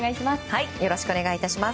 よろしくお願いします。